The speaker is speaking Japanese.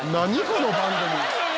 この番組。